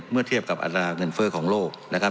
เมื่อเทียบกับอัตราเงินเฟ้อของโลกนะครับ